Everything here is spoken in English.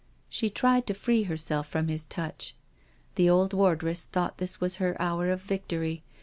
She tried to free herself from his touch. The old wardress thought this was her hour of victory.